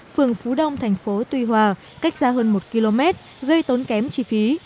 phường phú đông tp tuy hòa cách ra hơn một km gây tốn kém chi phí